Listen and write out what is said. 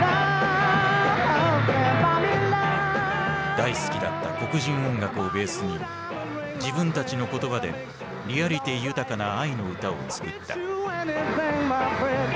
大好きだった黒人音楽をベースに自分たちの言葉でリアリティー豊かな愛の歌を作った。